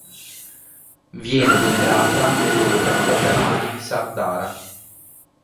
Viene venerata nelle località termali di Sardara.